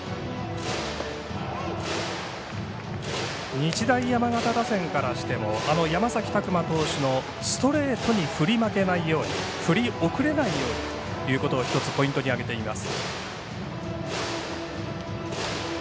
日大山形打線からしても山崎琢磨投手のストレートに振り負けないように振り遅れないようにということを一つ、ポイントに挙げています。